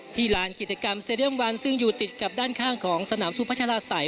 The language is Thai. ที่ร้านกิจกรรมเซเรียมวันซึ่งอยู่ติดกับด้านข้างของสนามสู้พระชาตาใส